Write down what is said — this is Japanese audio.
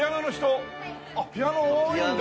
ピアノ多いんだ。